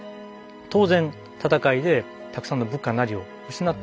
当然戦いでたくさんの部下なりを失ってるわけです。